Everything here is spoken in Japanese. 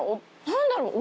何だろう？